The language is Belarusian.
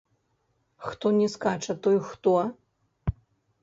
Хто не скача, той хто?